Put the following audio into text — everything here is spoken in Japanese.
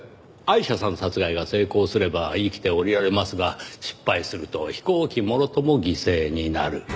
アイシャさん殺害が成功すれば生きて降りられますが失敗すると飛行機もろとも犠牲になる。